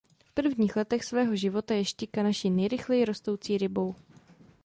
V prvních letech svého života je štika naší nejrychleji rostoucí rybou.